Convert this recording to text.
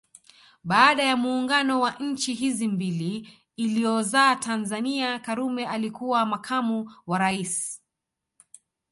Baada ya muungano wa nchi hizi mbili uliozaa Tanzania Karume alikuwa makamu wa rais